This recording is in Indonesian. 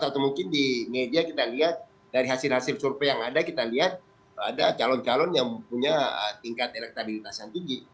atau mungkin di media kita lihat dari hasil hasil survei yang ada kita lihat ada calon calon yang punya tingkat elektabilitas yang tinggi